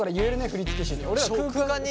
振り付け師に。